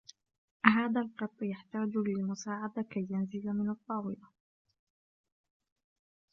هذا القط يحتاج للمساعدة كي ينزل من الطاولة.